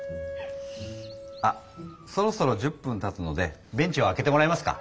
あそろそろ１０分たつのでベンチをあけてもらえますか？